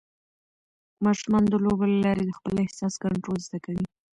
ماشومان د لوبو له لارې د خپل احساس کنټرول زده کوي.